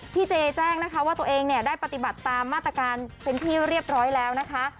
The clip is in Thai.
เจแจ้งนะคะว่าตัวเองเนี่ยได้ปฏิบัติตามมาตรการเป็นที่เรียบร้อยแล้วนะคะ